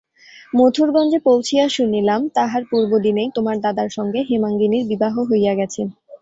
মথুরগঞ্জে পৌঁছিয়া শুনিলাম, তাহার পূর্বদিনেই তোমার দাদার সঙ্গে হেমাঙ্গিনীর বিবাহ হইয়া গেছে।